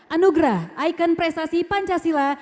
anugerah icon prestasi pancasila